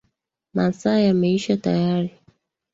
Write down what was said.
Masaa yameisha tayari.